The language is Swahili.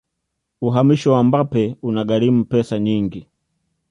uhamisho wa mbappe una gharimu pesa nyingi